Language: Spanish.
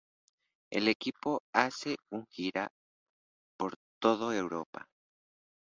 El equipo hace un gira por toda Europa.